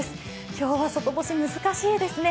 今日は外干し難しいですね。